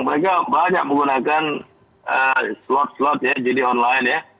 mereka banyak menggunakan slot slot ya judi online ya